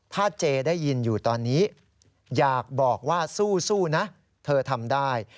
ถ้าเจได้ยินอยู่ตอนนี้อยากบอกว่าสู้นะเธอทำได้